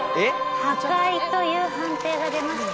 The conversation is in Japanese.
「破壊」という判定が出ました。